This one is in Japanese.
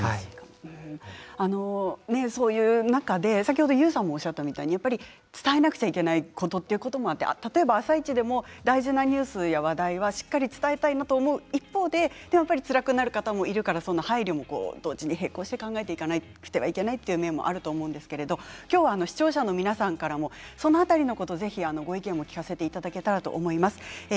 そういう中でＹＯＵさんもおっしゃったみたいに伝えなきゃいけないこともあって「あさイチ」でも大事なニュースや話題をしっかりと伝えたいと思う一方でつらくなる方への配慮も並行して考えなくてはいけないという面もあるんですけど今日も視聴者の皆さんからその辺りのことのご意見を聞かせていただければと思います。